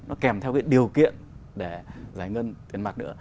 nó kèm theo cái điều kiện để giải ngân tiền mặt nữa